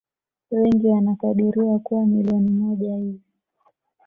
Wengi wanakadiriwa kuwa milioni moja hivi